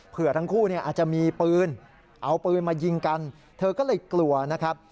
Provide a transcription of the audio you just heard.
ทั้งคู่เนี่ยอาจจะมีปืนเอาปืนมายิงกันเธอก็เลยกลัวนะครับ